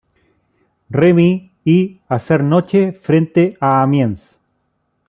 Remy y hacer noche frente a Amiens.